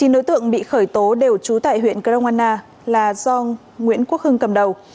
chín đối tượng bị khởi tố đều trú tại huyện grongwana là do nguyễn quốc hưng cầm đầu